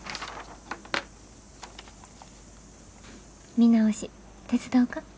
見直し手伝おか？